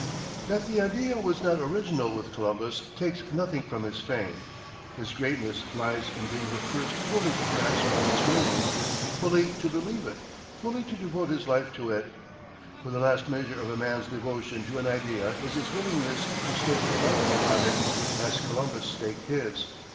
That the idea was not original with Columbus takes nothing from his fame; his greatness lies in being the first fully to grasp its meaning, fully to believe it, fully to devote his life to it. For the last measure of a man's devotion to an idea is his willingness to stake his life upon it, as Columbus staked his.